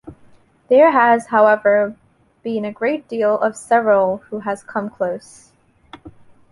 There has however been a great deal of several who have come close.